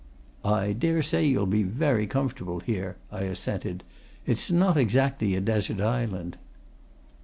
"I daresay you'll be very comfortable here," I assented. "It's not exactly a desert island."